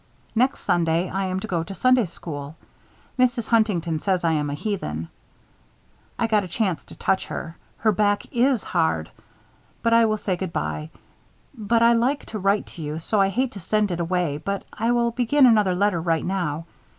Next Sunday I am to go to Sunday School. Mrs. Huntington says I am a Heathen. I got a chance to touch her. Her back is hard. Now I will say good by. But I like to write to you; so I hate to send it away but I will begin another letter right now.